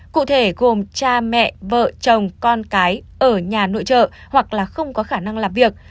cụ thể gồm cha mẹ vợ chồng con cái ở nhà nội trợ hoặc là không có khả năng làm việc